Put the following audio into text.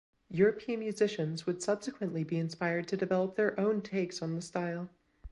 European musicians would subsequently be inspired to develop their own takes on the style.